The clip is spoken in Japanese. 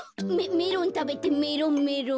メロンたべてメロンメロン。